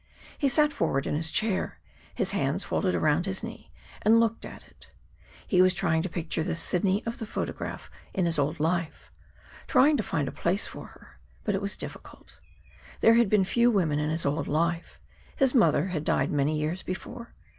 He sat forward in his chair, his hands folded around his knee, and looked at it. He was trying to picture the Sidney of the photograph in his old life trying to find a place for her. But it was difficult. There had been few women in his old life. His mother had died many years before.